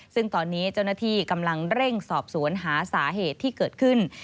ซึ่งตอนนี้เจ้าหน้าที่กำลังเร่งสอบสวนหาสาเหตุที่เกิดขึ้น